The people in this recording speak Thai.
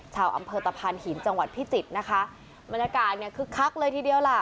ชาวอำเภอตะพานหินจังหวัดพิจิตรนะคะบรรยากาศเนี่ยคึกคักเลยทีเดียวล่ะ